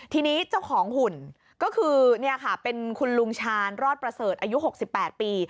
ทีนี้เจ้าของหุ่นก็คือนี่ค่ะเป็นคุณลุงชาญรอดประเสริฐอายุ๖๘ปี